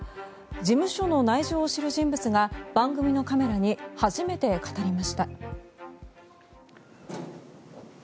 事務所の内情を知る人物が番組のカメラに初めて語りました。